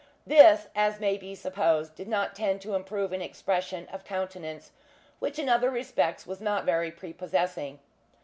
This, as may be supposed, did not tend to improve an expression of countenance which in other respects was not very prepossessing.